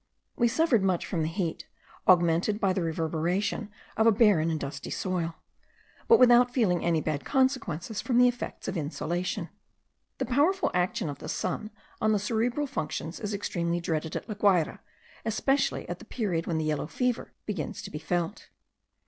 We suffered much from the heat, augmented by the reverberation of a barren and dusty soil; but without feeling any bad consequences from the effects of insolation. The powerful action of the sun on the cerebral functions is extremely dreaded at La Guayra, especially at the period when the yellow fever begins to be felt.